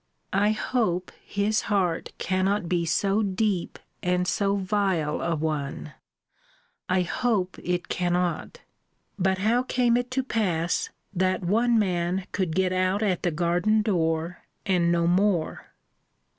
I hope his heart cannot be so deep and so vile a one: I hope it cannot! But how came it to pass, that one man could get out at the garden door, and no more?